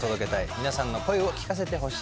皆さんの声を聞かせてほしい。